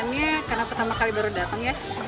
kesannya karena pertama kali baru datang kesannya masih bagus